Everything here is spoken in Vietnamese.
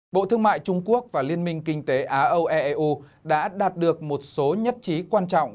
bộ thương mại trung quốc và liên minh kinh tế á âu eeu đã đạt được một số nhất trí quan trọng